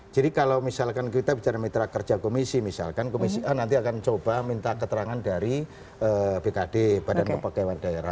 jadi kalau misalkan kita bicara mitra kerja komisi misalkan komisi nanti akan coba minta keterangan dari bkd badan kepegawaian daerah